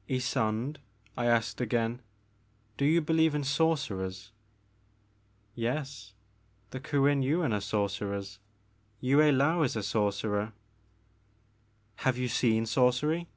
'* Ysonde," I asked again, do you believe in sorcerers? "Yes, the Kuen Yuin are sorcerers ; Yue Laou is a sorcerer." Have you seen sorcery